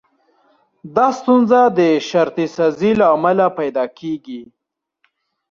دا ستونزه د شرطي سازي له امله پيدا کېږي.